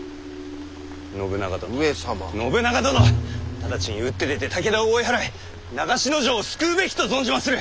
ただちに打って出て武田を追い払い長篠城を救うべきと存じまする！